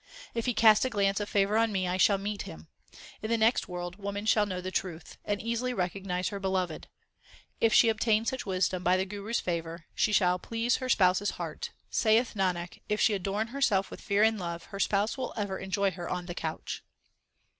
If He cast a glance of favour on me, I shall meet Him. In the next world woman shall know the truth, And easily recognize her Beloved. If she obtain such wisdom by the Guru s favour, She shall please her Spouse s heart. Saith Nanak, if she adorn herself with fear and love, Her Spouse will ever enjoy her on the couch.